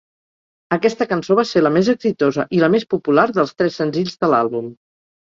Aquesta cançó va ser la més exitosa i la més popular dels tres senzills de l'àlbum.